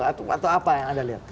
atau apa yang anda lihat